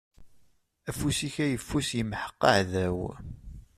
Afus-ik ayeffus imḥeq aɛdaw.